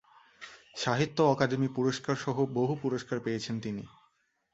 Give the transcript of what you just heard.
সাহিত্য অকাদেমি পুরস্কারসহ বহু পুরস্কার পেয়েছেন তিনি।